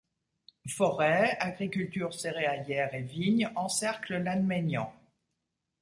Forêts, agricultures céréalières et vignes encerclent Lannemaignan.